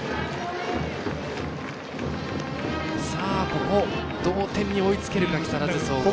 ここ、同点に追いつけるか木更津総合。